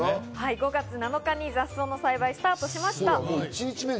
５月７日に雑草の栽培をスタートしました。